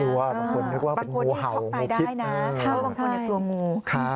เขาตื่อบางคนนึกว่าเป็นงูเข่างูพิษบางคนกลัวงู